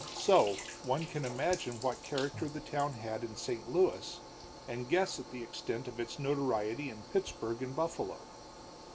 So, one can image what character the town had in St. Louis, and guess at the extent of its notoriety in Pittsburg and Buffalo.